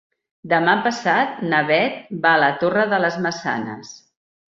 Demà passat na Beth va a la Torre de les Maçanes.